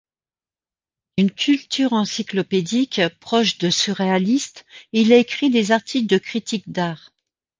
D'une culture encyclopédique, proche de surréalistes il a écrit des articles de critique d'art.